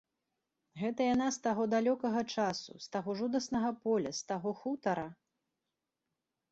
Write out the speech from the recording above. Гэта яна з таго далёкага часу, з таго жудаснага поля, з таго хутара?